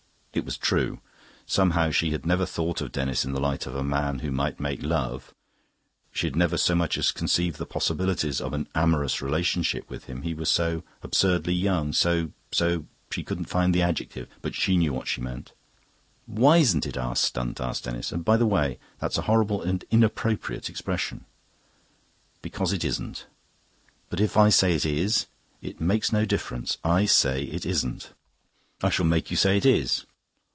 It was true. Somehow she had never thought of Denis in the light of a man who might make love; she had never so much as conceived the possibilities of an amorous relationship with him. He was so absurdly young, so...so...she couldn't find the adjective, but she knew what she meant. "Why isn't it our stunt?" asked Denis. "And, by the way, that's a horrible and inappropriate expression." "Because it isn't." "But if I say it is?" "It makes no difference. I say it isn't." "I shall make you say it is."